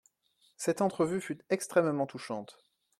Cette entrevue fut extrêmement touchante.